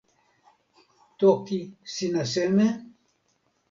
toki. sina seme?